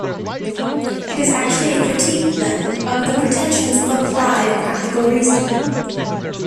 It is actually a critique, then, of the pretensions of "applied" practical reason.